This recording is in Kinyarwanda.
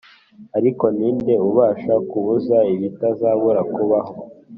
ariko ninde ubasha kubuza ibitazabura kubaho?